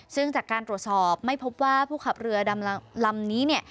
ซึ่งจากการตรวจสอบไม่พบว่าผู้ขับเรือดำลำนี้เนี่ย